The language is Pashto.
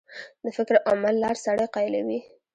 د فکر او عمل لار سړی قایلوي.